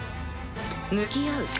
向き合う？